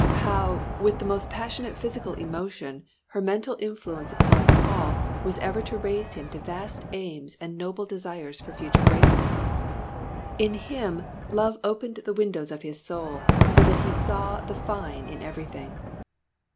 How, with the most passionate physical emotion, her mental influence upon Paul was ever to raise him to vast aims and noble desires for future greatness. In him love opened the windows of his Soul, so that he saw the fine in everything.